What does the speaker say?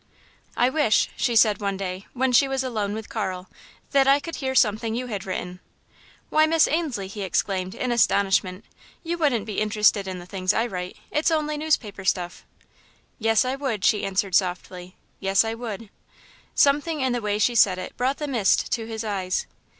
"I wish," she said one day, when she was alone with Carl, "that I could hear something you had written." "Why, Miss Ainslie," he exclaimed, in astonishment, "you wouldn't be interested in the things I write it's only newspaper stuff." "Yes, I would," she answered softly; "yes, I would." Something in the way she said it brought the mist to his eyes.